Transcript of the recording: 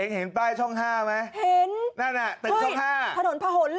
เองเห็นป้ายช่อง๕ไหมนั่นน่ะแต่ช่อง๕เฮ้ยผนพะหนหรอ